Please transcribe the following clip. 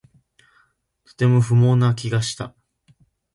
とても不毛な気がした